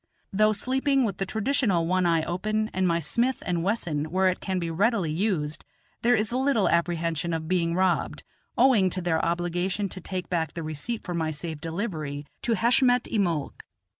Though sleeping with the traditional one eye open and my Smith & Wesson where it can be readily used, there is little apprehension of being robbed, owing to their obligation to take back the receipt for my safe delivery to Heshmet i Molk.